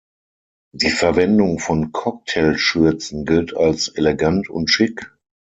Die Verwendung von Cocktail-Schürzen gilt als elegant und schick.